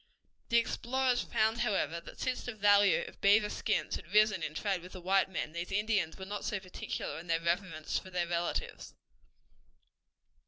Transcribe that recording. The explorers found, however, that since the value of beaver skins had risen in trade with the white men, these Indians were not so particular in their reverence for their relatives.